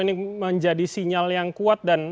ini menjadi sinyal yang kuat dan